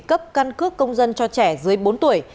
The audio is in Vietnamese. cấp căn cước công dân cho trẻ dưới bốn tuổi